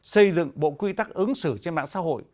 xây dựng bộ quy tắc ứng xử trên mạng xã hội